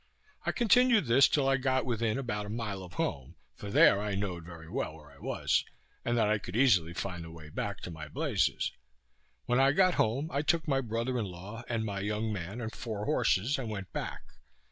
I continued this till I got within about a mile of home, for there I know'd very well where I was, and that I could easily find the way back to my blazes. When I got home, I took my brother in law, and my young man, and four horses, and went back.